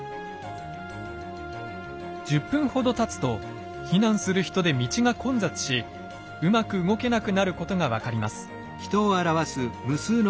１０分ほどたつと避難する人で道が混雑しうまく動けなくなることが分かります。